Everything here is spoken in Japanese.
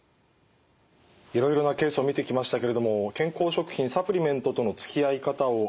いろいろなケースを見てきましたけれども健康食品・サプリメントとのつきあい方を改めて考えさせられる気がします。